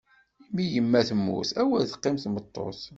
Imiyeimma temmut, awer teqqim tmeṭṭut!